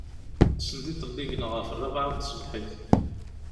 Sendiḍelli gneɣ ɣef ṛṛabɛa n tṣebḥit.